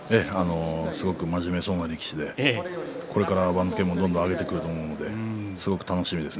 すごく真面目そうな力士でこれから番付も上げてくると思うのでこの先が楽しみです。